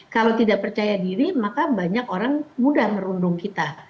kalau tidak percaya diri maka banyak orang mudah merundung kita